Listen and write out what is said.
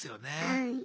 はい。